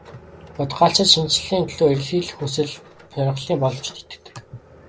Бодгальчид шинэчлэлийн төлөө эрэлхийлэх хүсэл сонирхлын боломжид итгэдэг.